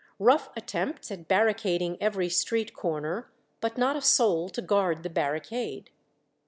Rough attempts at barri cading every street corner, but not a soul to guard the barricade.